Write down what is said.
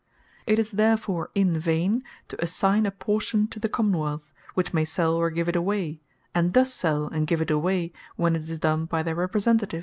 It is therefore in vaine, to assign a portion to the Common wealth; which may sell, or give it away; and does sell, and give it away when tis done by their Representative.